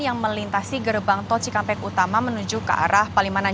yang melintasi gerbang tol cikampek utama menuju ke arah palimanan